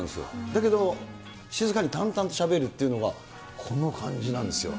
だけど、静かに淡々としゃべるっていうのが、この感じなんですよ。